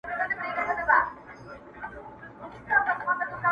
تاج پر سر څپلۍ په پښو توره تر ملاوه!!